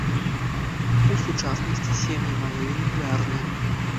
У сучаснасці сем'і малыя нуклеарныя.